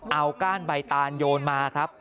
เอาก้านใบตานโยนมาครับ